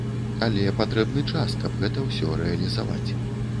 Але патрэбны час, каб гэта ўсё рэалізаваць.